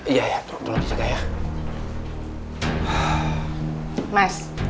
iya ya tolong disini ya